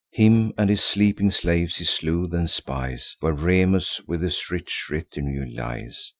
Him and his sleeping slaves he slew; then spies Where Remus, with his rich retinue, lies.